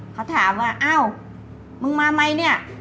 เขาถามว่าอ้าวมึงมาไหมเนี่ย